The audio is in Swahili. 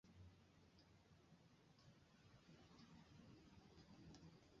Anaweza pia kucheza kama kurudi nyuma.